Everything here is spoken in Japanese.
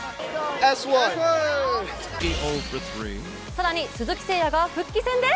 更に鈴木誠也が復帰戦で？